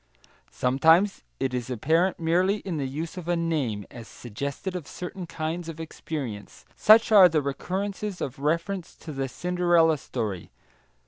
Sometimes it is apparent merely in the use of a name, as suggestive of certain kinds of experience; such are the recurrences of reference to the Cinderella story.